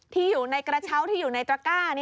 ที่อยู่ในกระเช้าที่อยู่ในตระก้า